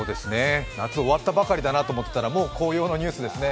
夏終わったばかりだなと思っていたらもう紅葉のニュースですね。